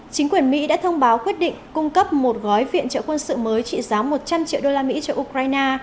chính quyền mỹ đã thông báo quyết định cung cấp một gói viện trợ quân sự mới trị giá một trăm linh triệu đô la mỹ cho ukraine